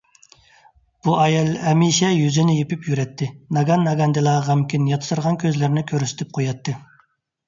بۇ ئايال ھەمىشە يۈزىنى يېپىپ يۈرەتتى. ناگان - ناگاندىلا غەمكىن ياتسىرىغان كۆزلىرىنى كۆرسىتىپ قوياتتى.